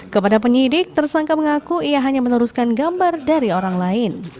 kepada penyidik tersangka mengaku ia hanya meneruskan gambar dari orang lain